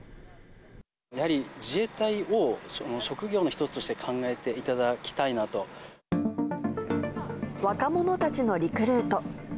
やはり自衛隊を職業の一つと若者たちのリクルート。